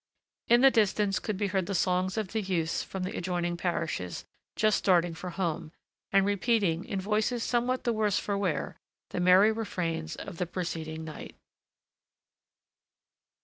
In the distance could be heard the songs of the youths from the adjoining parishes, just starting for home, and repeating, in voices somewhat the worse for wear, the merry refrains of the preceding night.